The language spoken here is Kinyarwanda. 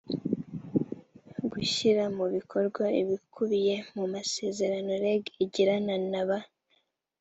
gushyira mu bikorwa ibikubiye mu masezerano reg igirana na ba